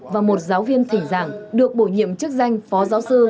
và một giáo viên thỉnh giảng được bổ nhiệm chức danh phó giáo sư